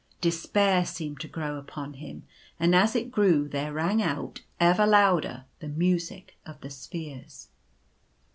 Despair seemed to grow upon him ; and as it grew there rang out, ever louder, the Music of the Spheres.